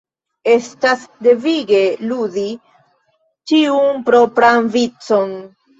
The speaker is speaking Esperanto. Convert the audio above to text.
Estas devige ludi ĉiun propran vicon.